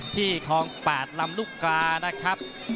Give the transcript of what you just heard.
คลอง๘ลำลูกกานะครับ